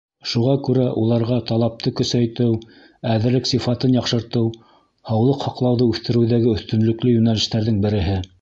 Шуға күрә уларға талапты көсәйтеү, әҙерлек сифатын яҡшыртыу — һаулыҡ һаҡлауҙы үҫтереүҙәге өҫтөнлөклө йүнәлештәрҙең береһе.